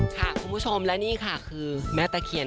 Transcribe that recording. คุณผู้ชมและนี่ค่ะคือแม่ตะเคียน